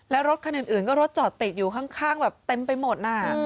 และรถคะแนนอื่นก็รถจอดติดอยู่ข้างเต็มไปหมด